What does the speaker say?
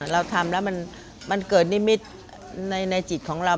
เราทำแล้วมันเกิดนิมิตรในจิตของเรา